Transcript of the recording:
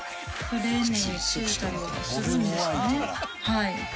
はい。